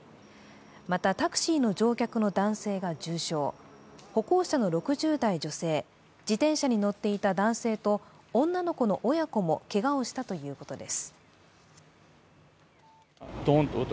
また、タクシーの乗客の男性が重傷歩行者の６０代女性、自転車に乗っていた男性と女の子の親子もけがをしたということです。